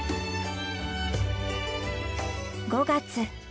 ５月。